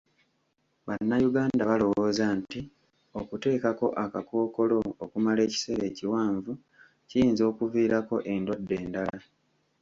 Bannayuganda balowooza nti okuteekako akakkookolo okumala ekiseera ekiwanvu kiyinza okuviirako endwadde endala.